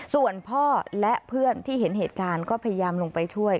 ส่วนพ่อและเพื่อนที่เห็นเหตุการณ์ก็พยายามลงไปช่วย